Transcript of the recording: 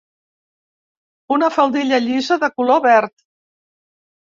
Una faldilla llisa de color verd.